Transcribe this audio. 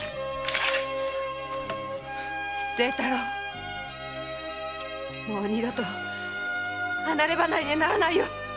清太郎もう二度と離れ離れにはならないよ。